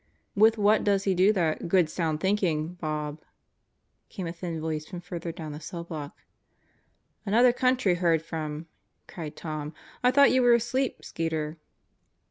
"With what does he do that e good sound thinking/ Bob?" came a thin voice from further down the cell block. "Another country heard from," cried Tom. "I thought you were asleep, Skeeter."